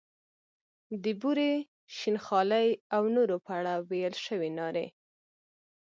د بورې، شین خالۍ او نورو په اړه ویل شوې نارې.